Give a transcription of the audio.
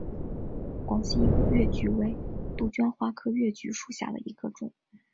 广西越桔为杜鹃花科越桔属下的一个种。